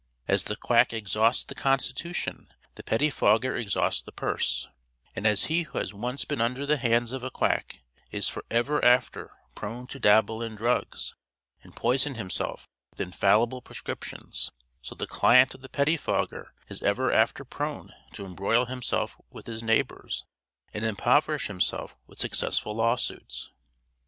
As the quack exhausts the constitution the pettifogger exhausts the purse; and as he who has once been under the hands of a quack is for ever after prone to dabble in drugs, and poison himself with infallible prescriptions, so the client of the pettifogger is ever after prone to embroil himself with his neighbors, and impoverish himself with successful lawsuits.